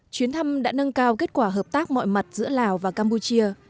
chuyến thăm đã nâng cao kết quả hợp tác mọi mặt giữa lào và campuchia